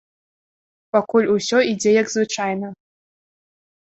Пакуль усё ідзе як звычайна.